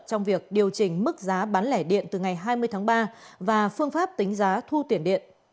trong việc điều chỉnh mức giá bán lẻ điện từ ngày hai mươi tháng ba và phương pháp tính giá thu tiền điện